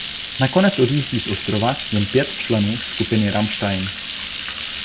Nakonec odjíždí z ostrova jen pět členů skupiny Rammstein.